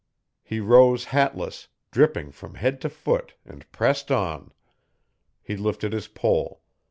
He rose hatless, dripping from head to foot and pressed on. He lifted his pole.